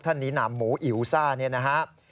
ท่านนินามหมูอิวซ่าเนี่ยนะฮะ